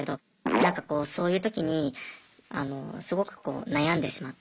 なんかこうそういう時にあのすごくこう悩んでしまって。